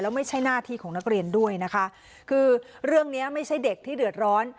ไม่ใช่หน้าที่ของนักเรียนด้วยนะคะคือเรื่องเนี้ยไม่ใช่เด็กที่เดือดร้อน